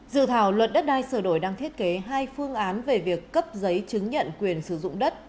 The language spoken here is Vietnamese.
dự thảo luật đất đai sửa đổi đang thiết kế hai phương án về việc cấp giấy chứng nhận quyền sử dụng đất